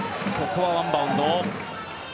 ここはワンバウンド。